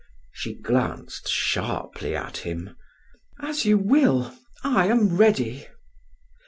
She glanced sharply at him: "As you will. I am ready."